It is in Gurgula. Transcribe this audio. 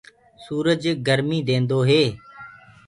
سُورج گرميٚ ديندو هي۔